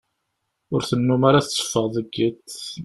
Ur tennum ara tetteffeɣ deg iḍ.